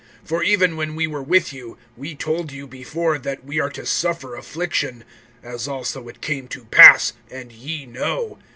(4)For even when we were with you, we told you before that we are to suffer affliction; as also it came to pass, and ye know.